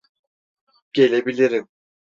Gelebilirim.